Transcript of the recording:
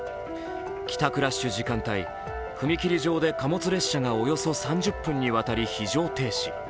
帰宅ラッシュ時間帯、踏切上で貨物列車がおよそ３０分にわたり非常停止。